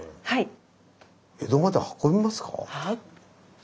はい。